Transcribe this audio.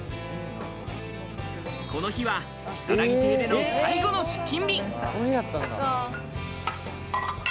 この日は、きさらぎ亭での最後の出勤日。